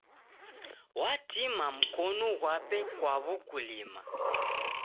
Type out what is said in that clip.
Watima mkonu ghwape kwa w'ukulima.